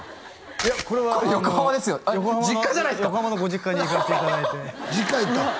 いやこれは横浜のこれ横浜ですよ実家じゃないすかご実家に行かせていただいて実家行ったん？